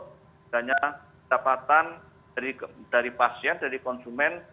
seandainya pendapatan dari pasien dari konsumen